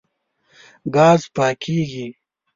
ګاز پاکېږي.